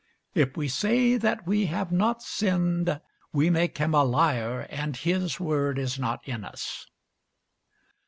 If we say that we have not sinned, we make him a liar, and his word is not in us.